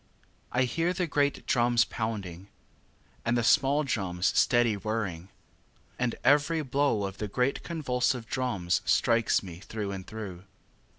4. I hear the great drums pounding, And the small drums steady whirring; And every blow of the great convulsive drums Strikes me through and through.